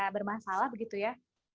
bermasalah begitu ya